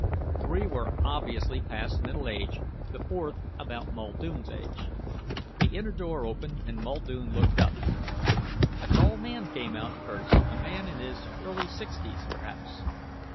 Three were obviously past middle age, the fourth about Muldoon's age. The inner door opened and Muldoon looked up. A tall man came out first, a man in his early sixties, perhaps.